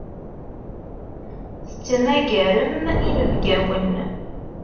Tettmagarem inebgawen.